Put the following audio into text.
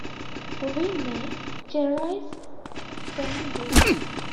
We may generalize from this.